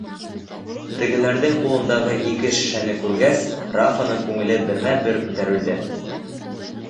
Тегеләрҙең ҡулындағы ике шешәне күргәс, Рафаның күңеле бермә-бер күтәрелде.